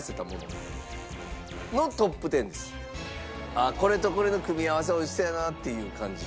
ああこれとこれの組み合わせ美味しそうやなっていう感じで。